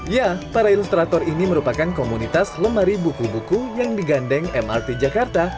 ya para ilustrator ini merupakan komunitas lemari buku buku yang digandeng mrt jakarta